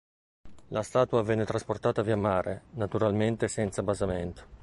La statua venne trasportata via mare, naturalmente senza basamento.